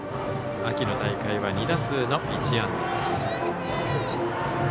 秋の大会は２打数の１安打です。